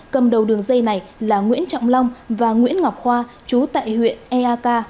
cầm đầu đường dây này là nguyễn trọng long và nguyễn ngọc khoa chú tại huyện eak